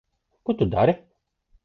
Ko tu dari?